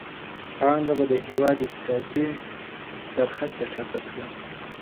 پانګه به د هيواد اقتصادي څرخه چټکه کړي.